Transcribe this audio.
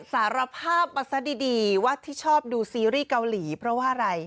สารภาพมาซะดีว่าที่ชอบดูซีรีส์เกาหลีเพราะว่าอะไร